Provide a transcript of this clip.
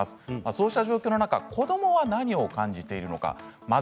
そうした状況の中子どもは何を感じているのか。